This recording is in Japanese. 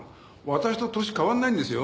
私と年変わんないんですよ。